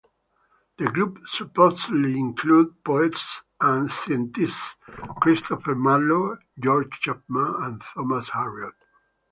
The group supposedly included poets and scientists Christopher Marlowe, George Chapman and Thomas Harriot.